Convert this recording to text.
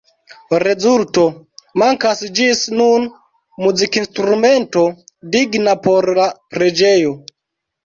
Rezulto: Mankas ĝis nun muzikinstrumento digna por la preĝejo.